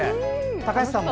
高橋さんは？